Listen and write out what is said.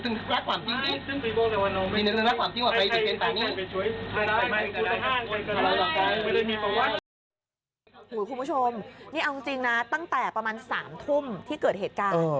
คุณผู้ชมนี่เอาจริงนะตั้งแต่ประมาณ๓ทุ่มที่เกิดเหตุการณ์